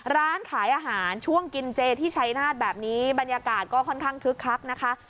ร้านขายอาหารช่วงกินเจที่ชัยนาฏแบบนี้บรรยากาศก็ค่อนข้างคึกคักนะคะ